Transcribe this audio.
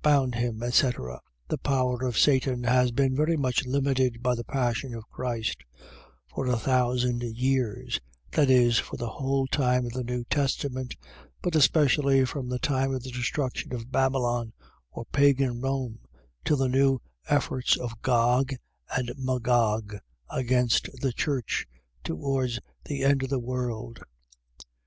Bound him, etc. . .The power of Satan has been very much limited by the passion of Christ: for a thousand years; that is, for the whole time of the New Testament; but especially from the time of the destruction of Babylon or pagan Rome, till the new efforts of Gog and Magog against the church, towards the end of the world.